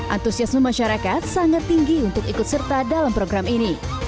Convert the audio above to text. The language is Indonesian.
antusiasme masyarakat sangat tinggi untuk ikut serta dalam program ini